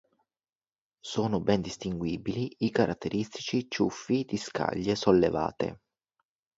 Sono ben distinguibili i caratteristici "ciuffi" di scaglie sollevate.